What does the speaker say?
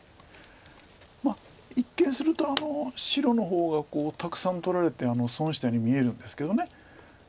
一見すると白の方がたくさん取られて損したように見えるんですけど。